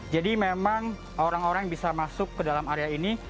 jadi memang orang orang yang bisa masuk ke dalam area ini